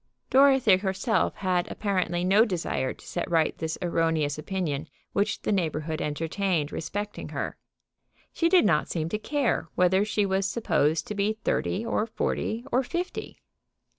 Dorothy herself had apparently no desire to set right this erroneous opinion which the neighborhood entertained respecting her. She did not seem to care whether she was supposed to be thirty, or forty, or fifty.